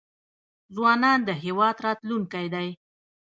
ځوانان د هیواد راتلونکی دی